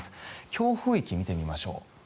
強風域を見てみましょう。